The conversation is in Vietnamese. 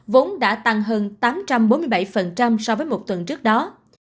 vốn đã tăng hơn tám trăm bốn mươi bảy so với một tuần trước đó